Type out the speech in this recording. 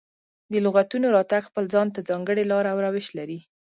د لغتونو راتګ خپل ځان ته ځانګړې لاره او روش لري.